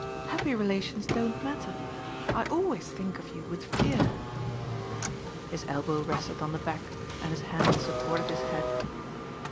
Happy relations don't matter. I always think of you with fear." His elbow rested on the back and his hand supported his head.